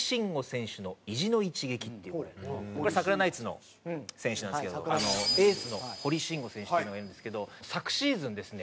これサクラナイツの選手なんですけどエースの堀慎吾選手というのがいるんですけど昨シーズンですね